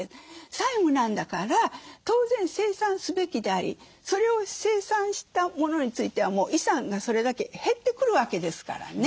債務なんだから当然清算すべきでありそれを清算したものについては遺産がそれだけ減ってくるわけですからね。